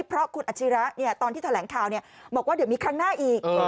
เพราะคุณอัจฉริยาเนี่ยตอนที่แถลงข่าวเนี่ยบอกว่าเดี๋ยวมีครั้งหน้าอีก